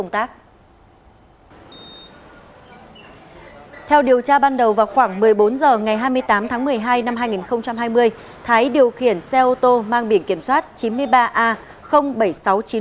theo điều tra ban đầu vào khoảng một mươi bốn h ngày hai mươi tám tháng một mươi hai năm hai nghìn hai mươi thái điều khiển xe ô tô mang biển kiểm soát chín mươi ba a bảy nghìn sáu trăm chín mươi